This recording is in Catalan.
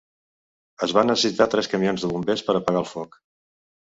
Es van necessitar tres camions de bombers per apagar el foc.